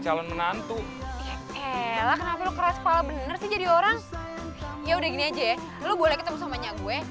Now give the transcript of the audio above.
calon menantu bener sih jadi orang ya udah gini aja ya lu boleh ketemu sama nyak gue